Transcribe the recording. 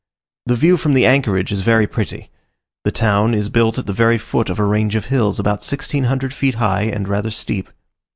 The view from the anchorage is very pretty. The town is built at the very foot of a range of hills, about 1600 feet high, and rather steep.